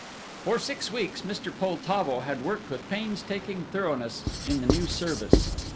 For six weeks Mr. Poltavo had worked with painstaking thoroughness in the new service.